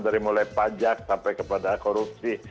dari mulai pajak sampai kepada korupsi